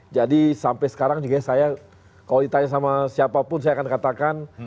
jadi sampai sekarang juga saya kalau ditanya sama siapapun saya akan katakan